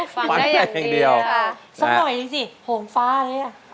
สับหน่อยนิดนึงสิโหงฟ้าเลยอะ